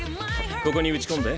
ここに打ち込んで。